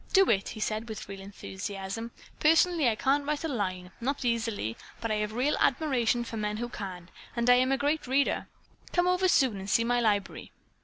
Do it!" he said with real enthusiasm. "Personally I can't write a line, not easily, but I have real admiration for men who can, and I am a great reader. Come over soon and see my library."